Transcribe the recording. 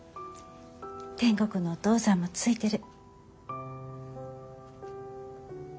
天国のお父さんもついてる。